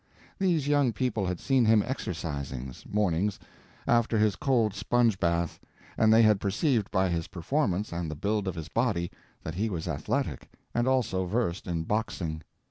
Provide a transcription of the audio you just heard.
These young people had seen him exercising, mornings, after his cold sponge bath, and they had perceived by his performance and the build of his body, that he was athletic, and also versed in boxing.